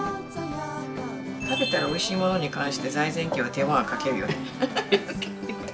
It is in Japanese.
食べたらおいしいものに関して財前家は手間はかけるよね。